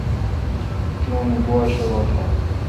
تی اون گوا شرو تھال۔